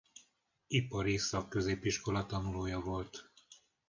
Ipari Szakközépiskola tanulója volt.